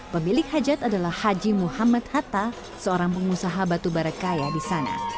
pemilik hajat adalah haji muhammad hatta seorang pengusaha batubara kaya di sana